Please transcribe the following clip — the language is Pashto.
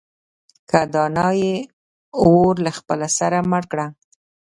که دانا يې اور له خپله سره مړ کړه.